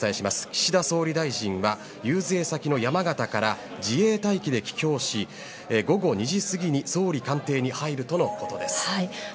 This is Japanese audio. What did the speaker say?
岸田総理大臣は遊説先の山形から自衛隊機で帰京し午後２時過ぎに総理官邸に入るということです。